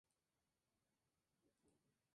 Entre las especies sumergidas se encuentran "Chara sp.